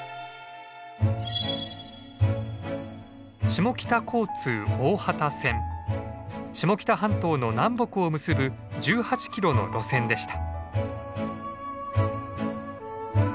下北半島の南北を結ぶ１８キロの路線でした。